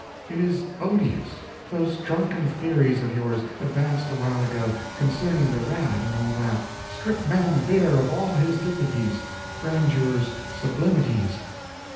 It is odious. Those drunken theories of yours, advanced a while ago—concerning the rat and all that—strip Man bare of all his dignities, grandeurs, sublimities.